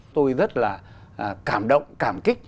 tôi rất là cảm động cảm kích